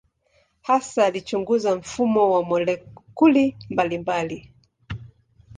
Hasa alichunguza mfumo wa molekuli mbalimbali.